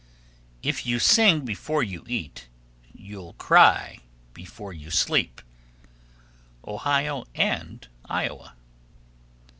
If you sing before you eat, You'll cry before you sleep. _Ohio and Iowa.